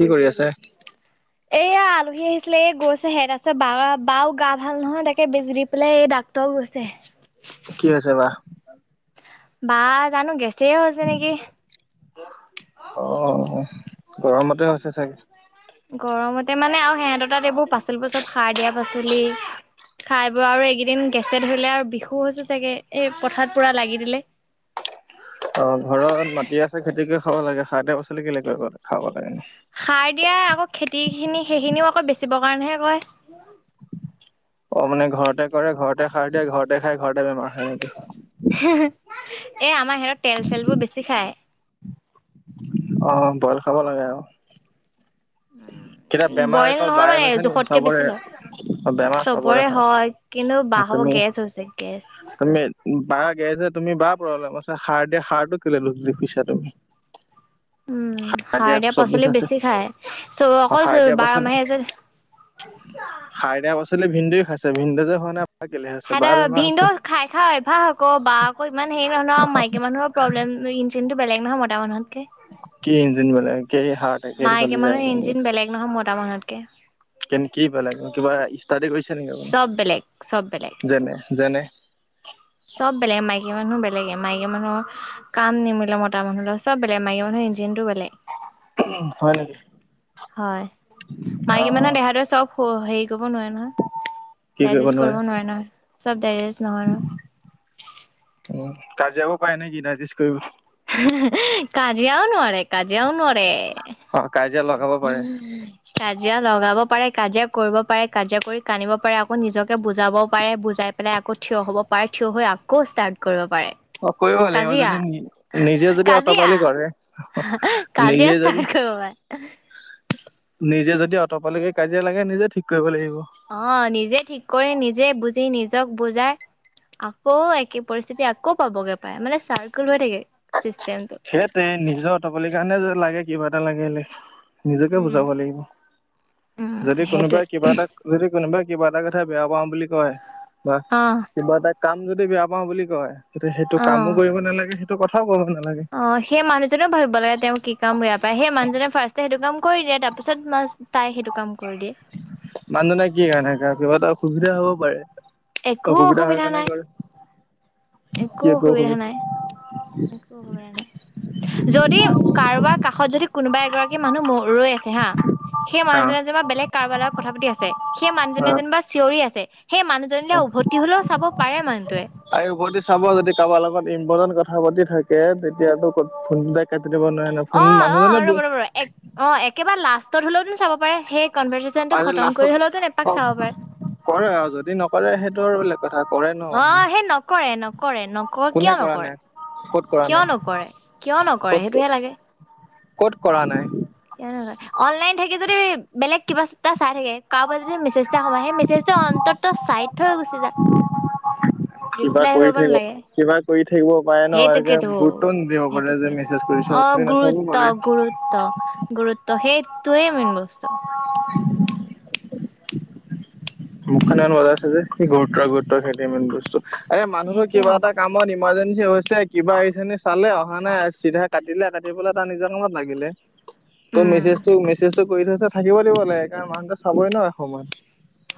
কি কৰি আছে এয়া আলহী আহিছিলে এই গৈছে হেত আছে বা বাও গা ভাল নহয় তাকে বেজি দি পেলাই এই ডাক্তৰ গৈছে কি হৈছে বা বা জানো গেছে হৈছে নেকি অ গৰমতে হৈছে চাগে গৰমতে মানে আৰু সিহঁত তাত এইবোৰ পাচলিবোৰ চব সাৰ দিয়া পাচলি খাই বৈ আৰু এইকেইদিন গেছে ধৰিলে আৰু বিষো হৈছে চাগে এই পথাৰত পুৰা লাগি দিলে অ ঘৰত মাটি আছে খেতি কৰি খাব লাগে খাৰটা পাচলি কেলেক গ খাব লাগে নো সাৰ দিয়া আকৌ খেতি খিনি সেইখিনিও আকৌ বেচিব কাৰণেহে কয়। অ' মানে ঘৰতে কৰে ঘৰতে সাৰ দিয়ে ঘৰতে খাই ঘৰতে বেমাৰ হয় নেকি। এ আমাৰ হেৰত তেল চেল বোৰ বেছি খায়। আহ বইল খাব লাগে আৰু। কেতিয়া বেমাৰ বইল অকল নহয় বায়ে মানে হৈছে নেকি জোখতকে বেছি লয় চবৰে বেমাৰ চবৰে হয়। কিন্তু অ' বাহৰ তুমি গেছ হৈছে গেছ তুমি বাহ গেছহে। তুমি বা প্ৰব্লেম আছে, সাৰ দিয়া সাৰটো কেলি দোষ দিছা তুমি। উম সাৰ দিয়া পাচলিও বেছি খায় চ অ অকল সাৰ চ দিয়া বাৰ পাচলি মাহে আছে পল ভন্দে খাইছে ভন্দে যে খোৱা নাই বা কেলে হৈছে বা হৰ বেমাৰ ভিনদ খাই খাই ভাল আকৌ বা আকৌ ইমান হেৰি নহ আছে মাইকী মানুহৰ প্ৰব্লেম ইিনটো বেলে নহয় মতা মানুত কিজিন বলে মায়েকে মানুহৰ ইঞ্জিন বেলেগ নহয় মতা মানুহতকে কেনেক কি পালাগৈ কিবা ষ্টাৰটিক কৰি চ'ব বেলেগ চ'ব বেলেগ যেনে চ'ব বেলেগ মাইকী মানুহ বেলেগে মাইকী মানুহৰ কাম নিমিলে মতৰ মানুহৰ চ'ব বেলেগ মাইকী মানুহৰ ইঞ্জিন টো বেলেগ। হয় নেকি। হয় অ মাইকী মানুহৰ দেহাটো চ'ব হেৰি [unintelligible] ডাইজেষ্ট কৰিব নোৱাৰে নহয় চ'ব। তেৰেজ নহয়। কাজিয়াও পায় নেকি ডাইজেষ্ট কৰিব। কাজিয়াও নোৱাৰে, কাজিয়াও নোৱাৰে। অ কাজিয়া লগাব পাৰে উম কাজিয়া লগাব পাৰে। কাজিয়া কৰিব পাৰে, কাজিয়া কৰি কান্দিব পাৰে, আকৌ নিজকে বুজাবও পাৰে বুজাই পেলাই আকৌ থিয় হ'ব। পাৰে থিয় হৈ আকৌ ষ্টাৰ্ট কৰিব পাৰে। অ কৰিব লাগিব কাজিয়া যদি নিজে যদি কাজিয়া অতপালি কৰে কাজিয়া নিজে যদি ষ্টাৰ্ট কৰিব পাৰে। হয়। নিজে যদি অটপালকে কাজিয়া লাগে নিজে ঠিক কৰিব লাগিব। অ' নিজে ঠিক কৰি নিজে বুজি নিজক বুজাই। আকৌ একে পৰিস্থিতি আকৌ পাবগে পাই মানে চাৰ্কুল হৈ থাকে। চিষ্টেমটো। সেইটো নিজৰ অটপলিৰ কাৰণে যে লাগে কিবা এটা লাগে। নিজকে উম, বুজাব লাগিব। উম, যদি সেইটোৱে কোনোবাই কিবা এটা যদি কোনোবাই কিবা এটা কথা বেয়া পাওঁ বুলি কয়, বা অ', কিবা এটা কাম যদি বেয়া পাওঁ বুলি কয়। এয়া সেইটো কামো অ'। কৰিব নালাগে। সেইটো কথাও ক'ব নালাগে। অ' সেই মানুহজনেও ভাবিব লাগে। তেওঁ কি কাম বেয়া পায় সেই মানুহজনে ফাৰ্ষ্টে সেইটো কাম। কৰি দিয়া তাৰপিছত প্লাছ তাই সেইটো কাম। কৰি দিয়ে, মানুহজনে কি কাৰণে কি কিবা এটা অসুবিধা হ'ব পাৰে। একো হয় অসুবিধা কাৰণে নাই, কৰে একো অসুবিধা নাই। একো নাই যদি কাৰোবাৰ কাষত যদি কোনোবাই এগৰাকী মানুহ ৰৈ আছে। হা সেই হা মানুহজনে যেনিবা বেলেগ কাৰোবাৰ লগত কথা পাতি আছে। সেই অ মানুহজনে যেনিবা চিঞৰি আছে। হেই মানুহ অ' আৰু উভতি চাব যদি কাৰোবাৰ লগত ইম্পৰ্টেণ্ট কথা কথা পাতি থাকে তেতিয়াতো ক'ত ফোন কাট অ' অ' ৰ'ব ৰ'ব ৰ'ব এক একেবাৰে লাষ্টত হলেওত চাব পাৰে, সেই কনভাৰ্ছেশোনটো আৰু খতম লাষ্টত কৰি হলেওতো এপাক চাব পাৰে। কৰে আৰু যদি নকৰে সেইটো আৰু বেলেগ কথা কৰে ন মানুহে আহ সেই নকৰে নকৰে নক কোনে কিয় কৰা নকয়ে। নাই ক'ত কৰা কিয় নাই নকৰে কিয় নকৰে ক'ত সেইটোহে লাগে। ক'ত কৰা নাই। কিয়যে অনলাইন থাকি যদি বেলেগ কিবাটা চাই থাকে। যদি মেছেজটা সোমায় সেই মেছেজটো অন্ততঃ চাইট [unintelligible] কিবা ৰিপ্লাই কৰি কৰিব থাকিব, নালাগে কিবা কৰি থাকিব পাৰে নহয় যে সেইটোকেতো গুৰুত্ব নিদিব পাৰে সেইটোকে যে মেছেজ কৰি অ গুৰুত্ব গুৰুত্ব গুৰুত্ব সেইটোৱেই মেইন বস্তু। অ মখন ইমান বজাই আছো যে, কি গুৰুতৰ গুৰুত থাকে ইমানবস্তু আৰে মানুহৰ সেইটোৱে কিবা মেইন এটা বস্তু। কামত ইম- ইমাৰ্জেঞ্চি হৈছে কিবা এইখিনি চালে অহা নাই চিধা কাটিলে কাটিপেলাই তাৰ নিজৰ কামত লাগিলে। তই উম মেছেজটো মেছেজটো কৰি থৈছে থাকিব লাগিব লাগে। কাৰণ মানুহটো চাবই ন এসময়ত।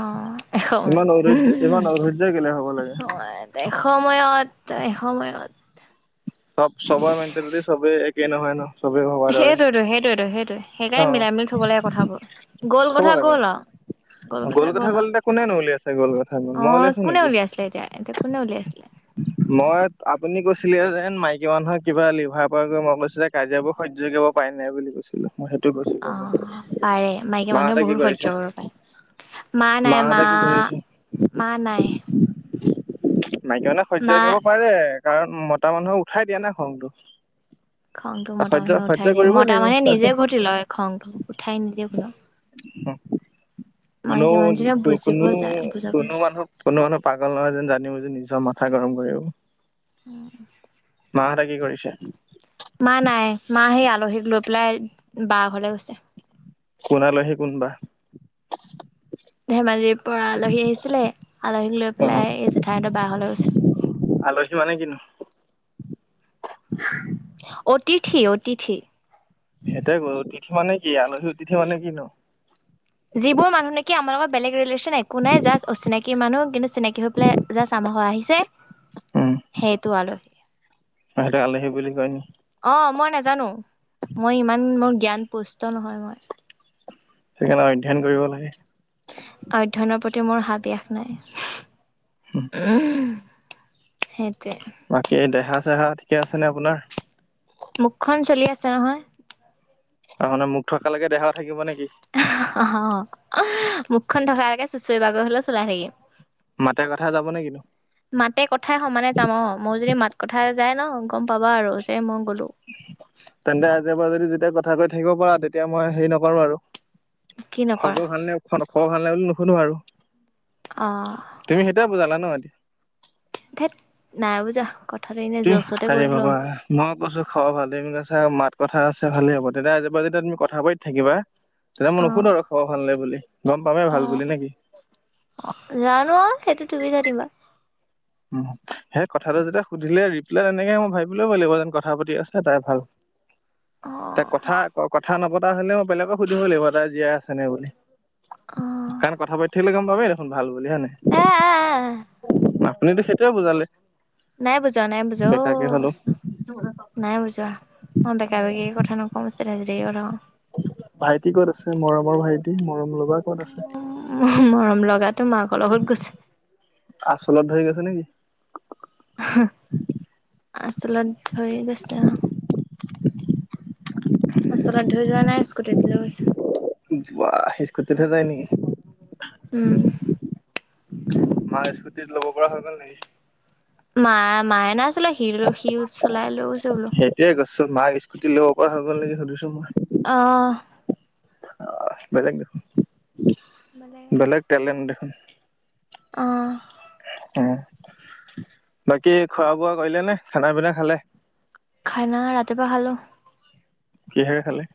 অ' ইমান এসময়ত। অধৈৰ্য ইমান অধৈৰ্য কেলে হ'ব লাগে। এসময়ত, এসময়ত। এ নহয় ন চবেই ভবাৰ দৰে সেইটোৱেটো সেইটোৱেটো, সেইটোৱে অ সেইকাৰণে মিলাই মিলি থব লাগে কথাবোৰ গ'ল চাব কথা লাগে। গ'ল আৰু গলকথা কথা গ'ল ক'ল আৰু। এতিয়া কোনেনো উলিয়াইছে গ'ল কথা গ'ল মই অ, উলিয়াইছো কোনে নেকি উলিয়াই আছিলে এতিয়া, এতিয়া কোনে উলিয়াইছিলে। মই, আপুনি কৈছিলে যেন মাইকী মানুহে কিবা লিভাৰ প্ৰব্লেম হৈছে, কাজিয়াবোৰ সহ্য কৰিব পাৰে নে বুলি কৈছিলো। মই সেইটো কৈছিলো। অ পাৰে মাইকী মানুহে মাহঁতে কি বহুত সহ্য কৰিছে? কৰিব পাৰে মা নাই মা মাহঁতে কি কৰিছে? মা নাই মাইকী মানে সহ্য মা কৰিব পাৰে। কাৰণ মতা মানুহক উঠাই দিয়া না খংটো। খংটো মতা সহ্য মানুহক সহ্য উঠাই দিয়ে, কৰিবই মতা লাগিব মানুহে নিজে তাৰপিছত উঠি লয় খংটো উঠাই নিদিয়ে কোনো কোনো কো বুজিব কোনো যায় বুজাব কোনো যায় মানুহ কোনো মানুহ পাগল নহয়, যেন জানি বুজি নিজে মাথা গৰম কৰিব উম উ মাহঁতে কি কৰিছে? মা নাই মা সেই আলহীক লৈ পেলাই বাহ ঘৰলে গৈছে। কোন আলহী কোন বা? ধেমাজিৰ পৰা আলহী আহিছিলে, আলহীক লৈ অ পেলাই এই জেঠাই হতৰ বাহঘৰলৈ গৈছে আলহী মানে কিনো? [unintelligible] অতিথি- অতিথি সেইটোৱে বাৰু, অতিথি মানে কি? আলহী অতিথি মানে কি নো? যিবোৰ মানুহ নেকি আমাৰ লগত বেলেগ ৰিলেচন একো নাই। জাষ্ট অচিনাকি মানুহ কিন্তু চিনাকি হৈ পেলাই জাষ্ট আমাৰ ঘৰ আহিছে, উম সেইটো আলহী। সিহঁতে আলহী বুলি কয় নি অ মই নাজানো মই ইমান মোৰ জ্ঞান পুষ্ট নহয় মই। সেইকাৰণে অধ্যান কৰিব লাগে। অধ্যয়নৰ প্ৰতি মোৰ হাবিয়াস নাই। সেইটোৱে। বাকী দেহা চেহা ঠিকে আছে নে আপোনাৰ? মুখখন চলি আছে নহয়। তাৰ মানে মুখ থকালৈকে দেহা থাকিব নেকি? অহ। মুখখন থকা একে চুচৰি বাগৰি হলেও চলাই থাকিম। মাতে কথা যাব নে কিনো মাতে কথাই সমানে যাম। অ মই যদি মাত কথা যাই ন গম পাবা আৰু যে মই গলো তেন্তে আজিৰ পৰা যদি যেতিয়া কথা কৈ থাকিব পাৰা, তেতিয়া মই হেৰি নকৰো আৰু। কি নকৰা খবৰ ভাল নে খবৰ ভাল নে বুলি নুশুনো আৰু। অ' তুমি সেইটোয়ে বুজালা ন এতিয়া। ধেত, নাই বুযোৱা। তুমি আৰে বাবা, মই কৈছো খবৰ ভালে বুলি, কৈছা মাত কথা আছে ভাল হব তেতিয়া আজিৰ পৰা যেতিয়া তুমি কথাপাতি থাকিবা তেতিয়া মই নুশুধ অ'। আৰু খাব ভাল নে বুলি। গম পামেই অ' ভাল বুলি, নেকি? অ জানো সেইটো তুমি জানিবা। সেই কথাটো যেতিয়া সুধিলে ৰিপ্লাই তেনেকে মই ভাবি লব লাগিব যেন কথা পাতি আছে তাই ভাল তাই অ' কথা, কথা নপতা হলে মই বেলেগক সুধিবই লাগিব। তাই জীয়াই আছে নে বুলি? অ' কাৰণ কথা পাতি থাকিলে গম পামেই, ভাল বুলি হয়ে নে এ এ এ নাই? সেইটোয়ে বুজালে নাই বুজোৱা নাই বুজা অ বেকাকে হ'লেও। নাই বুজোৱা অ বেকা বেকি কথা নকওঁ, চিধা চিধিকে কথা কও ভাইটি ক'ত আছে? মৰমৰ ভাইটি, মৰম লগা ক'ত আছে। তাৰ মাকৰ লগত গৈছে। আচলত ধৰি গৈছে নেকি? আচলত ধৰি গৈছে অ। আচলত ধৰি যোৱা নাই। স্কুটিত লৈ গৈছে। স্কুটি হে যায় নেকি? উম মা স্কুস্তিত ল'ব পৰা হৈ গল নেকি? মায়, মায়ে নাই চলায়। সি সি চলাই লৈ গৈছে বোলো। তুৰ মাক স্কুট লব পৰা হৈগোল সুধিছো মই? আহ আহ বেলেগ দেখোন, বেলেগ টেলেণ্ট দেখোন। আহ উম। বাকী খোৱা বোৱা কৰিলে নে খানা পিনা খালে? খানা ৰাতিপুৱা খালো কিহেৰে খালে?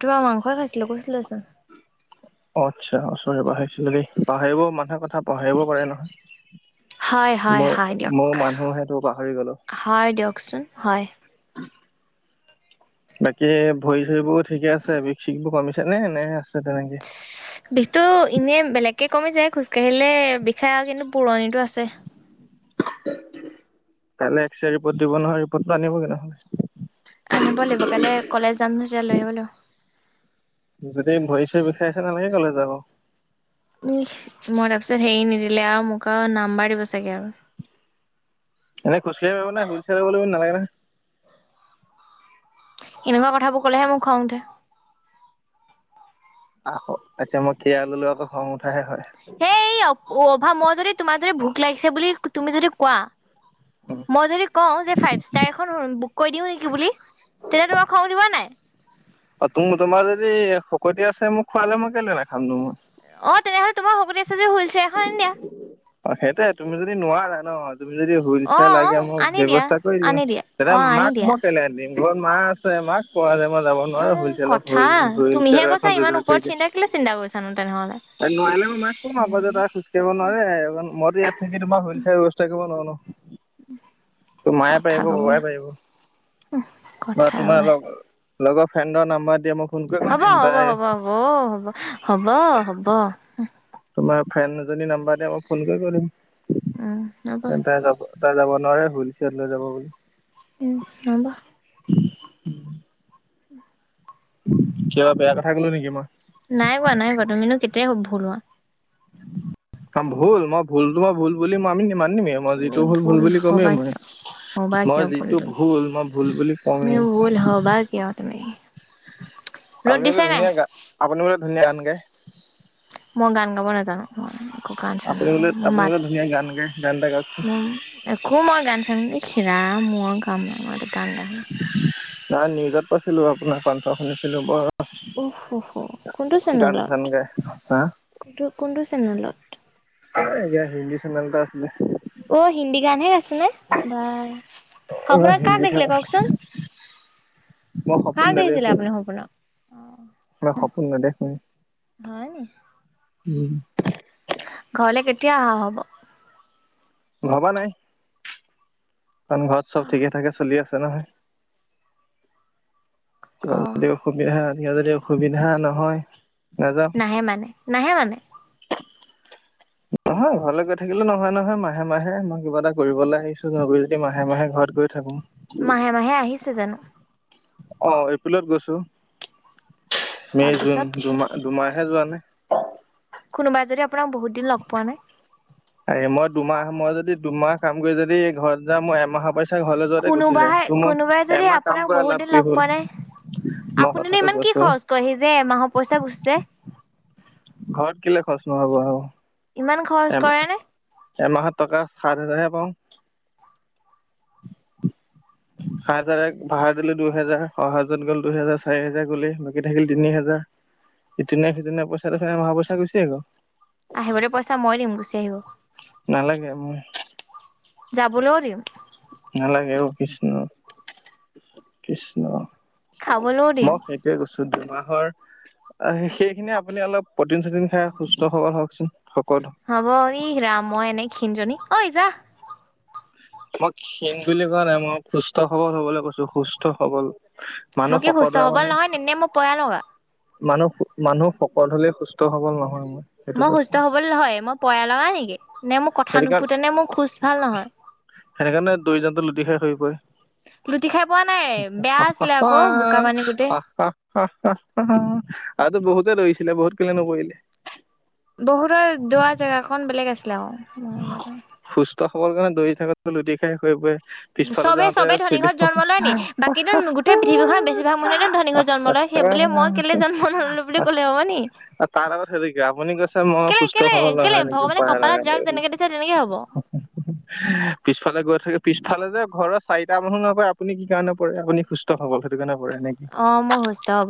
তোমাক মাংসই খাইছিলো। কৈছিলো চোন। অ আচ্ছা চৰি পাহৰিছিলো, দেই পাহৰিব মানুহে কথা পাহাৰিব পাৰে হয় নহয়। হয় হয় মই দিয়ক মই মানুহেটো পাহৰি গলো। হয় দিয়কচোন হয় [unintelligible] বাকী ভৰি চৰিবোৰ ঠিকে আছে, বিশ চিশবোৰ কমিছে নে নে আছে তেনেকে? বিষটো এনেই বেলেগকে কমি যায়, খোজ কঢ়িলে বিষাই আৰু কিন্তু পুৰণিটো আছে। কাইলৈ এক্স ৰিপৰ্ট দিব নহয়, ৰিপৰ্টটো আনিবগে ন আনিব লাগিব। কাইলে কলেজ যাম তেতিয়া লৈ আহিব লাগিব। যদি ভৰি চৰি বিষাই আছে। নালাগে কলেজ যাব। উহ। মই তাৰপিছত হেৰি নিদিলে আৰু মোক আৰু নাম্বাৰ দিব চাগে আৰু। এনে খোজকাঢ়িব পাব নাই হুলচ নালাগে নহয় [unintelligible] এনেকুৱা কথাবোৰ কলেহে মোৰ খং উঠে। আহ। আচচা মই কেৰা লোৱাটো খং উঠাহে হয়। অ অভা, মই যদি তোমাৰ যদি ভোক লাগিছে বুলি তুমি যদি কোৱা মই যদি কওঁ, যে ফাইভ ষ্টাৰ এখন বুক কৰি দিওঁ নেকি বুলি? তেতিলে তোমাৰ খাওঁ দিবা নাই? অ তুম, তোমাৰ যদি শকতি আছে মোক খোৱালে মই কেলে নাখাম ত মই। অ তেনেহ'লে তোমাৰ শকতি আছে যদি হুইল চেয়াৰ এখন আনি দিয়া। অ সেইটে তুমি যদি নোৱাৰা ন তুমি যদি হইল অ চিয়াৰ অ লাগে। মই আনি দিয়া ব্যয়ৱস্থা কৰি আনি দিম দিয়া অ তেতিয়া আনি মাক দিয়া। মই কেলে আ দিম। ঘৰত মা আছে মাক কোৱা যায়। ই যাব অ নোৱাৰো। কথা হইল তুমিহে ছিয়াৰ কৈছা এখন ইমান যোগাৰ ওপৰত কৰিলে চিন্তা কেলে চিন্তা কৰিছানো তেনেহ'লে। নোৱাৰিলে মই মাছ কম আকৌ যে তাত খোজ ককাঢ়িব নোৱাৰে মইতো ইয় [unintelligible] সে তোমাৰ শৈল চাৰ ব ব্যৱস্থা কৰিব নোৱাৰো নো [unintelligible] ত মায়ে কথা পাৰিব কব ববাই পাৰিব বা কথা তোমাৰ কব। লগ লগৰ ফ্ৰেণ্ডৰ নাম্বাৰ দিয়ে মোক। হ'ব হ'ব হ'ব হ'ব হ'ব হ'ব হব তোমাৰ ফ্ৰেণ্ড এজনী নাম্বাৰ দিয়া। মই ফোন কৰিব লাগিব। উম। হব এটা যাব নোৱাৰে হুইল চেল লৈ যাব বুলি। উম হ'ব। [inaudible] কিবা বেয়া কথা ক'লো নিকি মই? নাই কোৱা নাই কোৱা তুমিনো [unintelligible] ভুল, মই ভুলতো মই ভুল বুলি মানি মেই মই তুমি যিটো ভুল ভুল বুলি কমেই হবা মই। কিয় হবা মই কিয় যিটো তুমি ভুল মই ভুল বুলি তুমি কওয়েই। ভুল হবা কিয় তুমি ৰ'দ আপুনি বো দিছে নাই ধুনীয়া গান আপুনি বোলে ধুনীয়া গান গায়? মই গান গাব নাজানো। একো গান চান আপুনি আৰু বোলে মোৰ আপুনি মাত বোলে ধুনীয়া গান গায় গান এটা গাওকচোন ম একো মই গান চান হে ৰাম মূৰৰ কামোৰ মোৰা টো। নাই নিউজত পাইছিলো, আপোনাৰ কাঠ শুনিছিলো বৰ উ কোনটো গান চেনেলত? চান গায় হা কোনটো কোনটো চেনেলত? এতিয়া হি চেনেল এটা আছিলে। অ হিন্দী গানহে গাইছ নে, বা। অ সপোনত কাক হিন্দী দেখিলে চেনেল কওকচোন? মই সপোন কাক দেখিছিলে নেদেখোঁ আপোনি সপোনত? মই সপোন নেদেখো হয় নি? উম। ঘৰলে কেতিয়া অহা হ'ব? ভবা নাই। কাৰণ ঘৰত চব ঠিকে-ঠাকে চলি আছে নহয়। কিবা অ' যদি অসুবিধা কিব যদি অসুবিধা নহয় নাযাওঁ নাহে মানে নাহে মানে? [unintelligible] নহয় ঘৰলে গৈ থাকিলে নহয় নহয় মাহে মাহে, মই কিবা এটা কৰিবলৈ আহিছো ন যদি মাহে মাহে ঘৰত গৈ থাকো। মাহে মাহে আহিছে জানো? অ এপ্ৰিলত গৈছো মে, জুন তাৰপিছত দুমাহ দুমাহ। হে যোৱা নাই। কোনোবাই যদি আপোনাক বহুতদিন লগ পোৱা নাই। আৰে মই দুমাহ মই যদি দুমাহ কাম কৰি যদি ঘৰত যাম মই এমাহৰ পইচা ঘৰলে যোৱাতে গুচি যায়, কোনোবাহে তো কোনোবাই মই যদি এমাহ কাম আপোনাক কৰা বহুত লাভ দিন কি লগ হল? পোৱা নাই মই আপুনিনো কথাটো ইমান কি কৈছো খৰচ কৰেহি যে এমাহৰ পইচা গুচি যায়। ঘৰত কেলে খৰচ নহ'ব আৰু? ইমান খৰচ কৰে নে? এমাহ এমাহত টকা সাত হেজাৰহে পাওঁ। [inaudible] সাত হেজাৰৰে ভা়ৰা দিলো দুহেজাৰ, অহা-যোৱাত গ'ল দুহেজাৰ, চাৰি হেজাৰ গলেই বাকী থাকিল তিনি হেজা ৰ ইটিনে-সিটিনে পইছা দেখোন এমাহৰ পইছা গুচিয়ে গ'ল আহিবলে পইচা মই দিম গুচি আহিব। নালাগে মোৰ খাবলেও দিম। নালাগে অ কৃষ্ণ কৃষ্ণ খাবলৈও দিম। মই সেইটোয়ে কৈছো [unintelligible] মাহৰ সেইখিনি আপুনি অলপ পটিন-চটিন খাই সুস্থ সবল হওকচোন। সকল হ'ব ইহ ৰাম মই এনে ক্ষণজনী, ঐ যাহ মই ক্ষীণ বুলি কোৱা নাই মই সুস্থ-সবল হবলৈ কৈছো সুস্থ-সবল। মই কি সুস্থ-সবল নহয় নি, নে মই পয়া লগা? মানুহ মানুহ সকত হলে সুস্থ সবল নহয়। সেইটো মই কৈছো সুস্থ-সবল নহয়, মই পয়া লগা নিকি নে মোৰ কথা সেইটো কাৰণ নুফুতে নে মোৰ খোজ ভাল নহয়? সেইটো কাৰণে দৌৰি যাওঁতে লো [unintelligible] লুটি খাই পোৱা নাই বেয়া আছিলে আকৌ বোকা পানী গোটেই আগতে টো বহুতে দৌৰিছিলে বহুত কেলে নপৰিলে। বহুতৰ দৌৰা জেগাকন বেলেগ আছিলে আকৌ। [unintelligible] দৌৰি থাকতটো লুি খাই সৰি পৰে পিছফালে চবে যাওঁতে চবে ধনী ঘৰত জন্ম লয় নি? বাকী গোটেই পৃথিৱীখনত চিলিপ বেছিভাগ মানুহে ধনী ঘৰত জন্ম লয় এ সেইবুলিয়ে মই তাৰ কেলে জন্ম নললো বুলি ক'লে হব নি তাৰ আগত সেইটো কি আপুনি কৈছে মই কেলে সুস্থ কেলে সবল কেলে নহয় নেকি ভগৱানে পয়া কপালত লগা যাক নেকি যেনেকে দিছে তেনেকে হ'ব [unintelligible] পিছফালে গৈ থাকে পিছফালে [unintelligible] যে ঘৰৰ চাৰিটা মানুহ নহয় আপুনি কি কাৰণে পৰে আপুনি সুস্থ সব সেইটো কাৰণে পৰে নেকি? অ মই সুস্থ-সব।